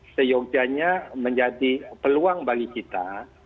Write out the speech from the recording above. seyogjanya menjadi peluang bagi kita